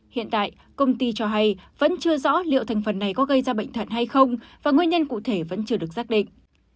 hiện tại công ty cho hay vẫn chưa rõ liệu thành phần này có gây ra bệnh thận hay không và nguyên nhân cụ thể vẫn chưa được xác định